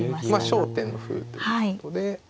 焦点の歩ということで。